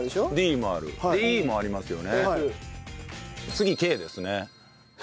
次Ｋですね。